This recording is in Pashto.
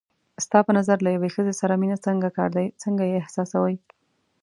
ستا په نظر له یوې ښځې سره مینه څنګه کار دی، څنګه یې احساسوې؟